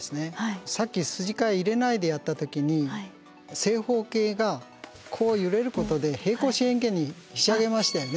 さっき筋交い入れないでやった時に正方形がこう揺れることで平行四辺形にひしゃげましたよね。